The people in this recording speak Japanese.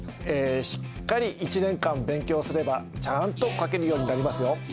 しっかり１年間勉強すればちゃんと書けるようになりますよ。